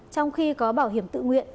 trong khi có bảo hiểm tự nguyện